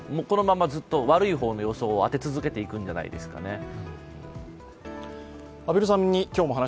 このままずっと悪い方の予想を当て続けていくんじゃないですかね。